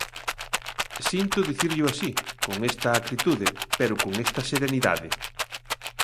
Sinto dicirllo así, con esta acritude pero con esta serenidade.